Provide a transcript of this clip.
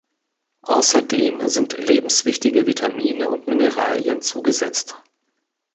Außerdem sind lebenswichtige Vitamine und Mineralien zugesetzt.